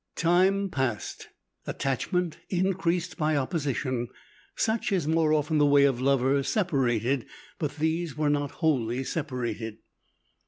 Time passed; attachment increased by opposition. Such is more often the way of lovers separated; but these were not wholly separated.